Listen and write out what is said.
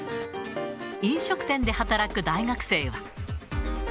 飲食店で働く大学生は。